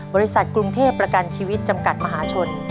บริษัทกรุงเทพประกันชีวิตจำกัดมหาชน